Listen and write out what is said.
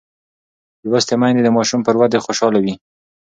لوستې میندې د ماشوم پر ودې خوشحاله وي.